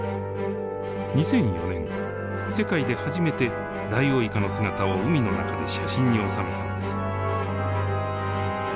２００４年世界で初めてダイオウイカの姿を海の中で写真に収めたのです。